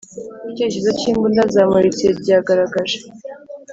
icyerekezo cy'imbunda za moritsiye ryagaragaje .